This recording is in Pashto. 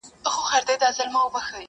له سنگر څخه سنگر ته خوځېدلی،